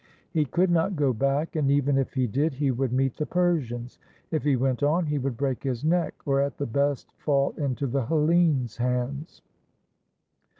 He could not go back, and, even if he did, he would meet the Persians. If he went on he would break his neck, or at the best fall into the Hellenes' hands.